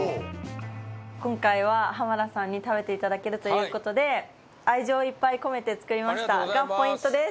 今回は浜田さんに食べていただけるということで「愛情いっぱい込めて作りました」がポイントです